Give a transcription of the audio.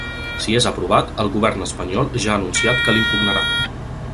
Si és aprovat, el govern espanyol ja ha anunciat que l’impugnarà.